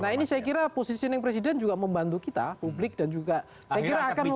nah ini saya kira positioning presiden juga membantu kita publik dan juga saya kira akan